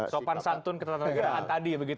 sopan santun ketatanegaraan tadi begitu